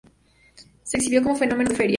Se exhibió como "fenómeno de feria".